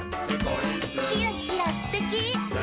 「キラキラすてき！」